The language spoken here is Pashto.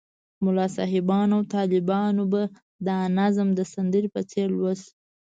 ملا صاحبانو او طالبانو به دا نظم د سندرې په څېر لوست.